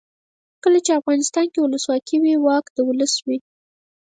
کله چې افغانستان کې ولسواکي وي واک د ولس وي.